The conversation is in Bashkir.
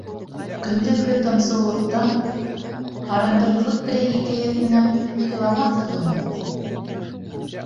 Көндөҙгө тынсыулыҡтан арындырырлыҡ берәй хикәйәт менән һыйламаҫһығыҙмы?